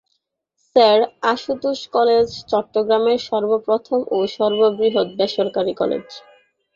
Sir Ashutosh college চট্টগ্রামের সর্বপ্রথম ও সর্ববৃহৎ বেসরকারি কলেজ।